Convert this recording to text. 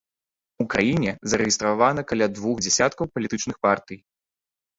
У краіне зарэгістравана каля двух дзясяткаў палітычных партый.